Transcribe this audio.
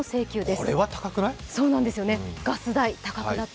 これは高くない？